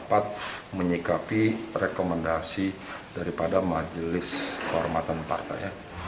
dapat menyikapi rekomendasi daripada majelis kehormatan partai